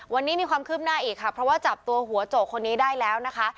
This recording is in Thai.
วันนี้มีความคืบหน้าอีกค่ะเพราะว่าจับตัวหัวโจกคนนี้ได้แล้วนะคะ